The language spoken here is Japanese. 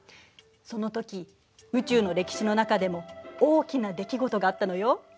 そのとき宇宙の歴史の中でも大きな出来事があったのよ。